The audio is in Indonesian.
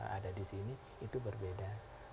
ada di sini itu berbeda